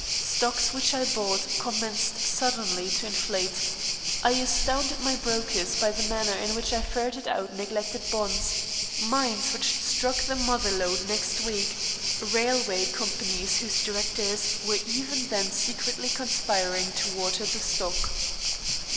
Stocks which I bought commenced suddenly to inflate. I astounded my brokers by the manner in which I ferreted out neglected bonds, mines which struck the mother lode next week, railway companies whose directors were even then secretly conspiring to water the stock.